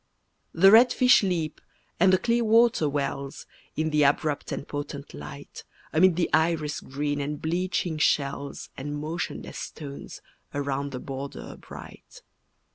The red fish leap and the clear water wells, In the abrupt and potent light, Amid the iris green and bleaching shells And motionless stones Around the border bright.